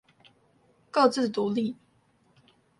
各自獨立